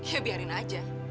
ya biarin aja